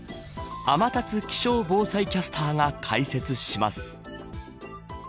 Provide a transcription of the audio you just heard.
天達気象防災キャスターが解説します。